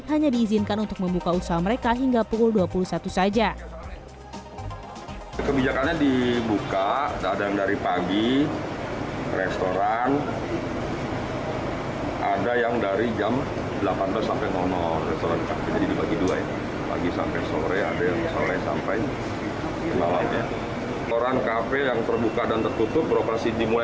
hanya diizinkan untuk membuka usaha mereka hingga pukul dua puluh satu saja